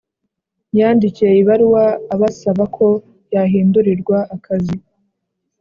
yandikiye ibaruwa abasaba ko yahindurirwa akazi